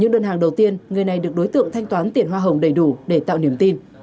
những đơn hàng đầu tiên người này được đối tượng thanh toán tiền hoa hồng đầy đủ để tạo niềm tin